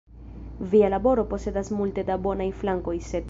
Via laboro posedas multe da bonaj flankoj, sed.